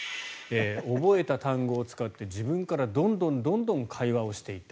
覚えた単語を使って自分からどんどん会話をしていった。